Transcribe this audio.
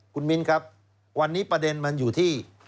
คุณมิ้นครับวันนี้ประเด็นมันอยู่ที่